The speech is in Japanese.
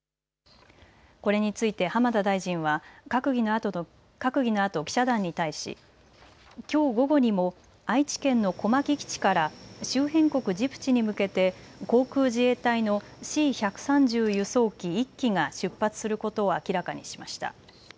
これについて浜田大臣は閣議のあと記者団に対しきょう午後にも愛知県の小牧基地から周辺国ジブチに向けて航空自衛隊のＣ１３０輸送機１機が出発することを明らかにしました。